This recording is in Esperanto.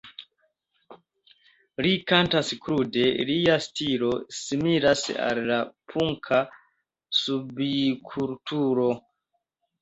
Li kantas krude, lia stilo similas al la punka subkulturo.